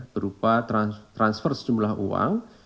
berupa transfer sejumlah uang